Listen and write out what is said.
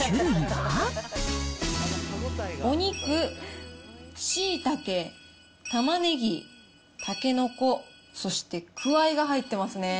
お肉、しいたけ、たまねぎ、たけのこ、そしてくわいが入ってますね。